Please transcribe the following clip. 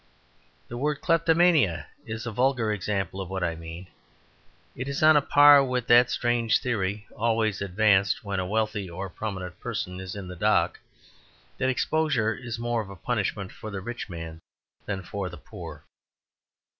The word "kleptomania" is a vulgar example of what I mean. It is on a par with that strange theory, always advanced when a wealthy or prominent person is in the dock, that exposure is more of a punishment for the rich than for the poor.